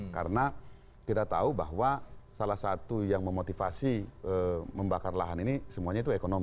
karena kita tahu bahwa salah satu yang memotivasi membakar lahan ini semuanya itu ekonomi